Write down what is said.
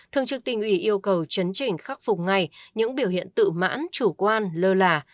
thường trực tình ủy yêu cầu chấn trình khắc phục ngay những biểu hiện tự mãn chủ quan lơ là